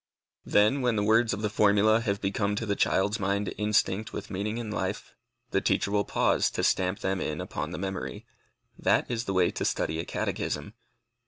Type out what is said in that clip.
Then, when the words of the formula have become to the child's mind instinct with meaning and life, the teacher will pause to stamp them in upon the memory. That is the way to study a catechism.